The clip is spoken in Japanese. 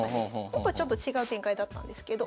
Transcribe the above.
本譜はちょっと違う展開だったんですけど。